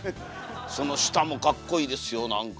その下もかっこいいですよなんか。